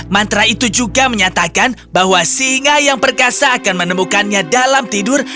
mantra itu juga menyatakan bahwa singa yang perkasa akan menemukannya dalam tidur